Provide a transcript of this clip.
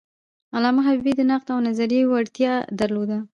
علامه حبیبي د نقد او نظریې وړتیا درلوده.